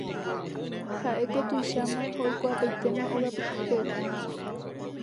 Ha'éko tuicháma ha oikuaapaitéma ogapypegua.